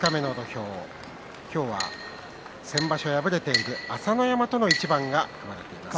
今日は先場所、敗れている朝乃山との一番が組まれています。